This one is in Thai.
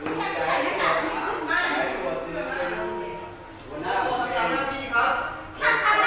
อย่าไปใส่รักษณะคุณคุณมากคุณคุณมาก